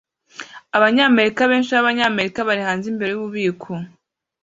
Abanyamerika benshi b'Abanyamerika bari hanze imbere yububiko